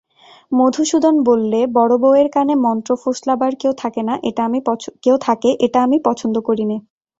মধুসূদন বললে, বড়োবউয়ের কানে মন্ত্র ফোসলাবার কেউ থাকে এটা আমি পছন্দ করি নে।